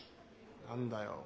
何だよ